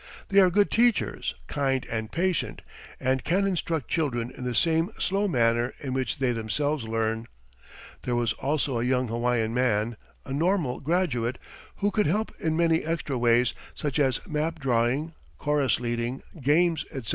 They are good teachers, kind and patient, and can instruct children in the same slow manner in which they themselves learn. There was also a young Hawaiian man, a Normal graduate, who could help in many extra ways, such as map drawing, chorus leading, games, etc.